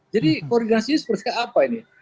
jadi koordinasi seperti apa ini